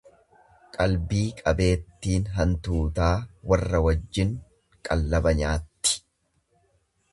Qalbii qabeettiin hantuutaa warra wajjin qallaba nyaatti.